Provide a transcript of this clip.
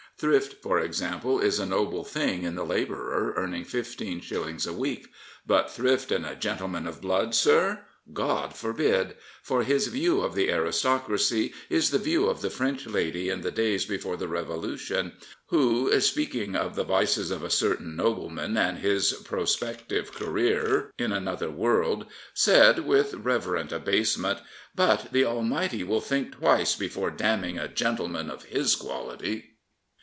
Thrift, for example, is a noble thing in the labourer earning fifteen shillings a week; but thrift in a gentle man of blood, sir? — God forbid! For his view of the aristocracy is the view of the French lady in the days before the Revolution, who, speaking of the vices of a certain nobleman and his prospective career 214 Henry Chaplin in another world, said with reverent abasement, " But the Almighty will think twice before damning a gentleman of his quality."